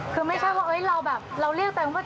คือไม่ใช่ว่าเราเรียกแบบว่า